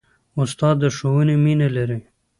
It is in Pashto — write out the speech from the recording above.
استاد د ښوونې مینه لري.